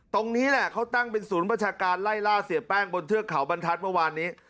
ตรงนี้แหละเขาตั้งเป็นศูนย์ประชาการไล่ล่าเสียแป้งบนเทือกเขาบรรทัศน์เมื่อวานนี้